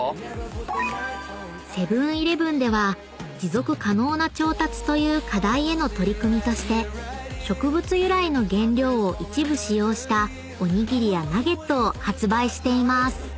［セブン−イレブンでは持続可能な調達という課題への取り組みとして植物由来の原料を一部使用したおにぎりやナゲットを発売しています］